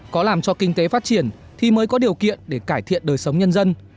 có làm cho kinh tế phát triển thì mới có điều kiện để cải thiện đời sống nhân dân